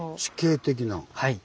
はい。